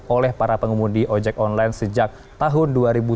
oleh para pengemudi ojek online sejak tahun dua ribu tujuh belas